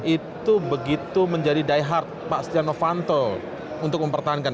itu begitu menjadi die hard pak stiano fanto untuk mempertahankan